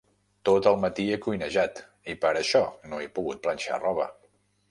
Tot el matí he cuinejat i per això no he pogut planxar roba.